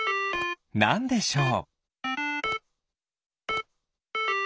なんでしょう？